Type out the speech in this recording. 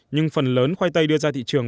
nhưng phần lớn khoai tây đưa ra thị trường